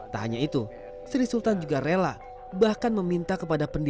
tak hanya itu sri sultan juga rela bahkan meminta kepada pendidikan